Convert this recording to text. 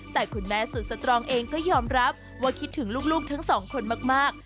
แต่คุณแม่สุดสตรองเองก็ยอมรับว่าคิดถึงลูกทั้งสองคนมาก